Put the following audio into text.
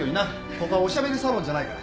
ここはおしゃべりサロンじゃないから。